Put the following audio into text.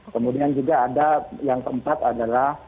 kemudian juga ada yang keempat adalah